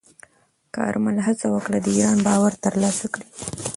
کارمل هڅه وکړه د ایران باور ترلاسه کړي.